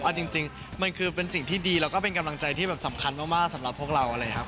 เอาจริงมันคือเป็นสิ่งที่ดีแล้วก็เป็นกำลังใจที่แบบสำคัญมากสำหรับพวกเราอะไรอย่างนี้ครับ